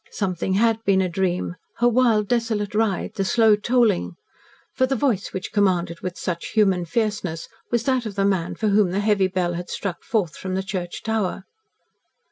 Something had been a dream her wild, desolate ride the slow tolling; for the voice which commanded with such human fierceness was that of the man for whom the heavy bell had struck forth from the church tower.